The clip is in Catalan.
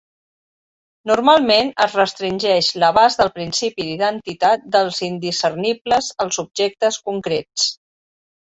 Normalment es restringeix l'abast del principi d'identitat dels indiscernibles als objectes concrets.